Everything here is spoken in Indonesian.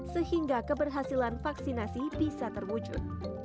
sehingga keberhasilan vaksinasi bisa terwujud